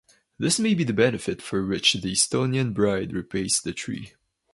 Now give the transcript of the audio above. This may be the benefit for which the Estonian bride repays the tree.